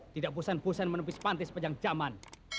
tidak bosan bosan menepis panti sepanjang zaman